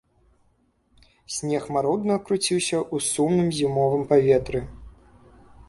Снег марудна круціўся ў сумным зімовым паветры.